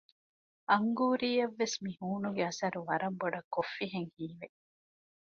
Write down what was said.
އަންގޫރީއަށް ވެސް މިހޫނުގެ އަސަރު ވަރަށް ބޮޑަށް ކޮށްފިހެން ހީވެ